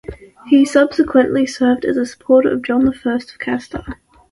He subsequently served as a supporter of John the First of Castile.